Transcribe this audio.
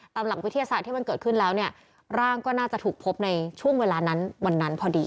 หลักวิทยาศาสตร์ที่มันเกิดขึ้นแล้วเนี่ยร่างก็น่าจะถูกพบในช่วงเวลานั้นวันนั้นพอดี